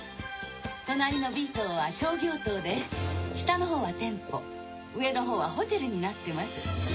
隣のＢ塔は商業棟で下のほうは店舗上のほうはホテルになってます。